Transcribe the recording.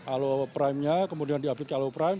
alo primenya kemudian di update ke alo prime